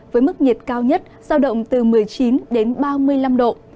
với mức nhiệt cao nhất giao động từ một mươi chín đến ba mươi năm độ